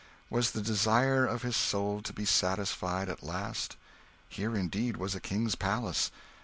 Was the desire of his soul to be satisfied at last? Here, indeed, was a king's palace.